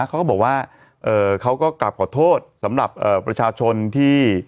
เขาก็บอกว่าเขาก็กลับขอโทษสำหรับประชาชนที่